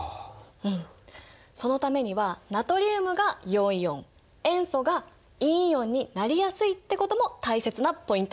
うんそのためにはナトリウムが陽イオン塩素が陰イオンになりやすいってことも大切なポイント。